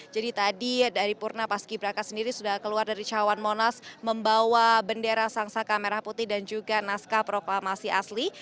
tadi dari purna paski braka sendiri sudah keluar dari cawan monas membawa bendera sangsaka merah putih dan juga naskah proklamasi asli